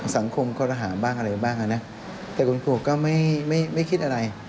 คอรหาบ้างอะไรบ้างนะแต่คุณครูก็ไม่คิดอะไร